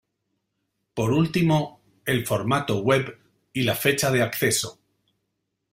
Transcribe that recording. Por último, el formato —web— y la fecha de acceso.